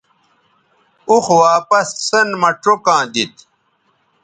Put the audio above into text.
اوخ واپس سین مہ چوکاں دیتھ